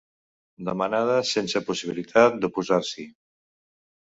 Demanada sense possibilitat d'oposar-s'hi.